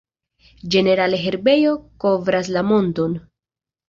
Ĝenerale herbejo kovras la monton.